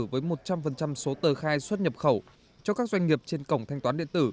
với một trăm linh số tờ khai xuất nhập khẩu cho các doanh nghiệp trên cổng thanh toán điện tử